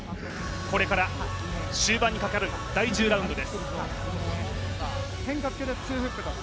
これから終盤にかかる第１０ラウンドです。